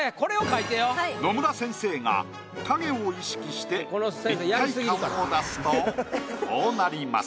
野村先生が影を意識して立体感を出すとこうなります。